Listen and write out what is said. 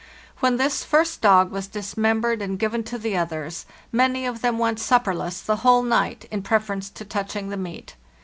When this first dog was dismembered and given to the others, many of them went supperless the whole night in preference to touching the meat.